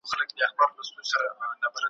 پسرلی نسته ملیاره چي رانه سې ,